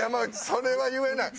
それは言えない。